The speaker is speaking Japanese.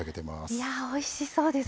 いやぁおいしそうですね。